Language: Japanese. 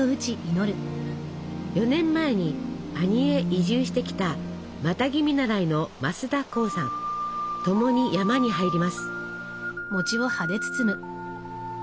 ４年前に阿仁へ移住してきたマタギ見習いの共に山に入ります。